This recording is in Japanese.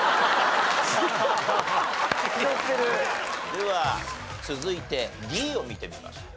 では続いてＤを見てみましょう。